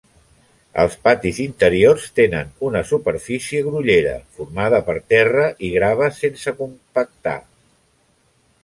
Els patis interiors tenen una superfície grollera, formada per terra i graves sense compactar.